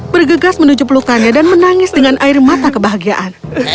bergegas menuju pelukannya dan menangis dengan air mata kebahagiaan